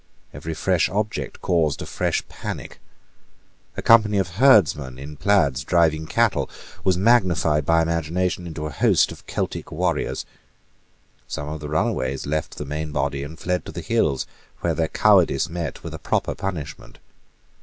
Every fresh object caused a fresh panic. A company of herdsmen in plaids driving cattle was magnified by imagination into a host of Celtic warriors. Some of the runaways left the main body and fled to the hills, where their cowardice met with a proper punishment.